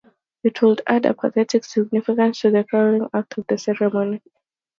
It would add a pathetic significance to the crowning act of the ceremony.